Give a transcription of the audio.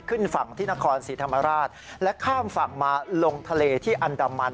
ขึ้นฝั่งที่นครศรีธรรมราชและข้ามฝั่งมาลงทะเลที่อันดามัน